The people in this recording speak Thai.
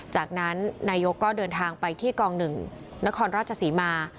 จากนั้นนายกก็เดินทางไปที่กอง๑นครราชศรีมา